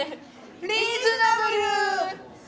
リーズナブル！